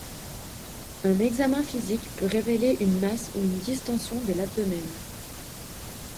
Un examen physique peut révéler une masse ou une distension de l'abdomen.